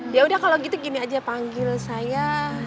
ya udah kalau gitu gini aja panggil saya